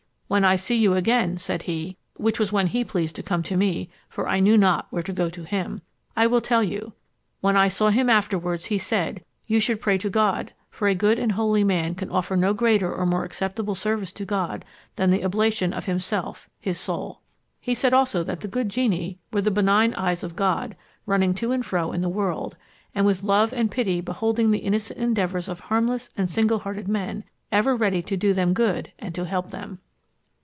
'When I see you again,' said he (which was when he pleased to come to me, for I knew not where to go to him), 'I will tell you.' When I saw him afterwards, he said, 'You should pray to God; for a good and holy man can offer no greater or more acceptable service to God than the oblation of himself his soul.' He said also, that the good genii were the benign eyes of God, running to and fro in the world, and with love and pity beholding the innocent endeavours of harmless and single hearted men, ever ready to do them good and to help them."